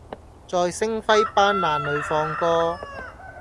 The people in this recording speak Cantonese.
在星輝斑斕裡放歌